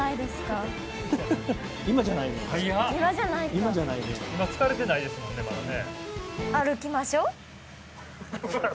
今疲れてないですもんねまだね。